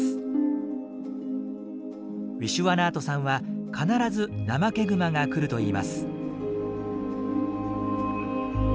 ウィシュワナートさんは「必ずナマケグマが来る」と言います。